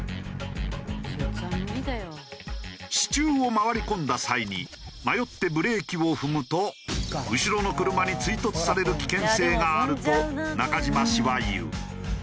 支柱を回り込んだ際に迷ってブレーキを踏むと後ろの車に追突される危険性があると中島氏は言う。